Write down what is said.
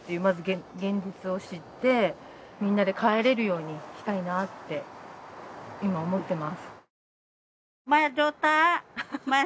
まず現実を知ってみんなで帰れるようにしたいなって今思ってます。